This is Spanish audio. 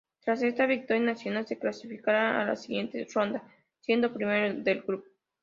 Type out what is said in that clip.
Tras esta victoria, Nacional se clasificaría a la siguiente ronda siendo primero del grupo.